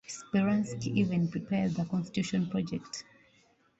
Speransky even prepared the Constitution project.